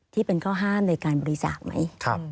ที่เป็นข้อห้ามในการบริจาคไหม